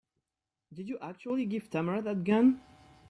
Did you actually give Tamara that gun?